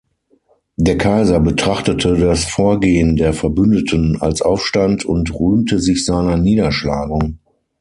Der Kaiser betrachtete das Vorgehen der Verbündeten als Aufstand und rühmte sich seiner Niederschlagung.